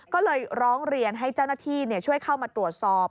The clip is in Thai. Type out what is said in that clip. ก็เลยร้องเรียนให้เจ้าหน้าที่ช่วยเข้ามาตรวจสอบ